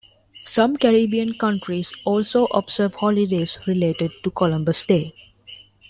Some Caribbean countries also observe holidays related to Columbus Day.